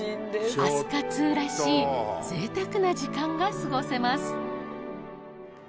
飛鳥Ⅱらしい贅沢な時間が過ごせます